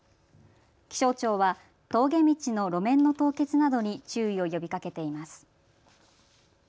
気象庁は峠道の路面の凍結などに注意を呼びかけています。